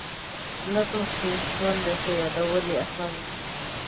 نظم ستونزمن دی خو یادول یې اسان دي.